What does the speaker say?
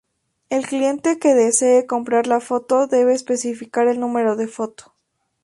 El cliente que desee comprar la foto debe especificar el número de foto.